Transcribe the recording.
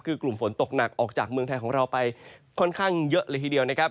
คือกลุ่มฝนตกหนักออกจากเมืองไทยของเราไปค่อนข้างเยอะเลยทีเดียวนะครับ